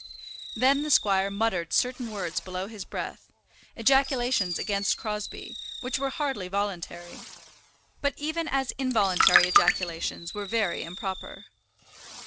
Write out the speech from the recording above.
Then the squire muttered certain words below his breath, ejaculations against Crosbie, which were hardly voluntary; but even as involuntary ejaculations were very improper.